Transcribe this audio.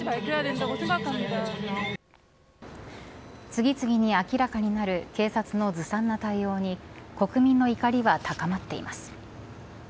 次々に明らかになる警察のずさんな対応に国民の怒りは高まっています。